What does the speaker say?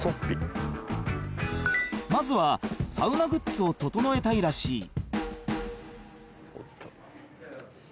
［まずはサウナグッズを調えたいらしい］